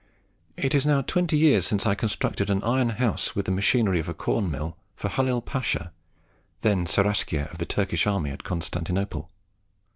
It is now twenty years since I constructed an iron house, with the machinery of a corn mill, for Halil Pasha, then Seraskier of the Turkish army at Constantinople.